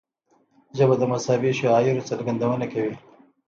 ژبه د مذهبي شعائرو څرګندونه کوي